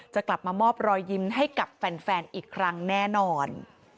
กลับมามอบรอยยิ้มให้กับแฟนอีกครั้งแน่นอน